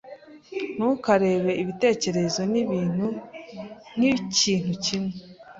Ntukarebe ibitekerezo nibintu nkikintu kimwe.